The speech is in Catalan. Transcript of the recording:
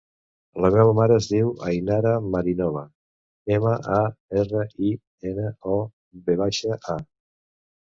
La meva mare es diu Ainara Marinova: ema, a, erra, i, ena, o, ve baixa, a.